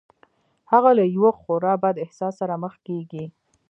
هغه له يوه خورا بد احساس سره مخ کېږي.